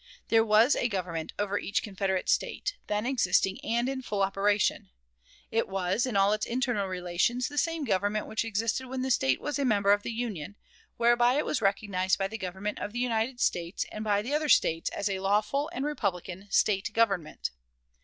There was a government over each Confederate State, then existing and in full operation. It was, in all its internal relations, the same government which existed when the State was a member of the Union, whereby it was recognized by the Government of the United States and by the other States as a lawful and republican State government.